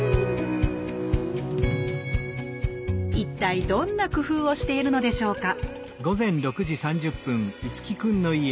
一体どんな工夫をしているのでしょうか？